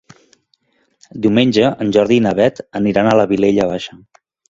Diumenge en Jordi i na Beth aniran a la Vilella Baixa.